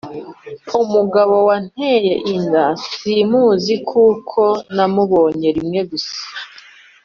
Umugabo wanteye inda simuzi kuko namubonye rimwe gusa